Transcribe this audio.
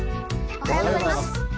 おはようございます。